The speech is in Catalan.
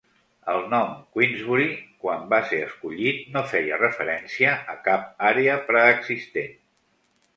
El nom Queensbury, quan va ser escollit, no feia referencia a cap àrea preexistent.